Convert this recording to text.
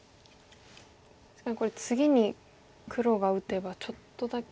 確かにこれ次に黒が打てばちょっとだけ。